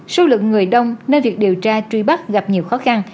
số lượng người đông nên việc điều tra truy bắt gặp nhiều khó khăn